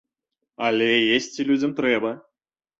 Але есці людзям трэба.